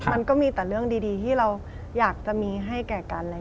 มันก็มีแต่เรื่องดีที่เราอยากจะมีให้แก่กัน